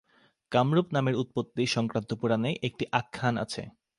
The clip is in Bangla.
কামরূপ নামের উৎপত্তি সংক্রান্ত পুরাণে একটি আখ্যান আছে।